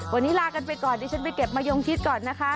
วันนี้ลากันไปก่อนดิฉันไปเก็บมะยงชิดก่อนนะคะ